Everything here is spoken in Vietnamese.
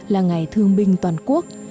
là ngày thương binh toàn quốc